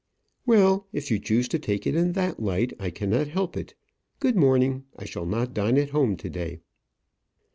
"Well, if you choose to take it in that light, I cannot help it. Good morning. I shall not dine at home to day."